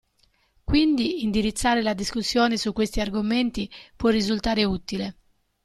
Quindi indirizzare la discussione su questi argomenti può risultare utile.